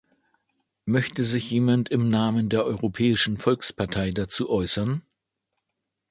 Möchte sich jemand im Namen der Europäischen Volkspartei dazu äußern?